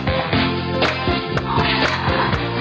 โอ้โหโอ้โห